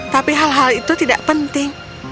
tapi hal hal itu tidak penting